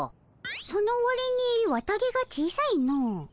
そのわりに綿毛が小さいのう。